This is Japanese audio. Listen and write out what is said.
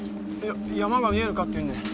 山が見えるかって言うんで。